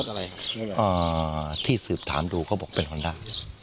อะไรอ่าที่สืบถามดูเขาบอกเป็นฮอนด้า